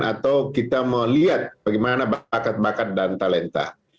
atau kita melihat bagaimana bakat bakat dan talenta